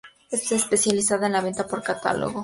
Se especializa en la venta por catálogo en la Región de Toyo.